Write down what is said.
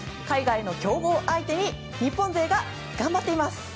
海外の強豪相手に日本勢が頑張っています。